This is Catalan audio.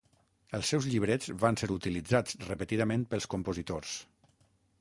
Els seus llibrets van ser utilitzats repetidament pels compositors.